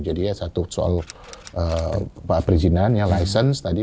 jadi ya satu soal perizinannya license tadi